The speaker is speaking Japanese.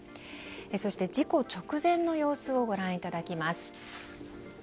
そして、事故直前の様子をご覧いただきます。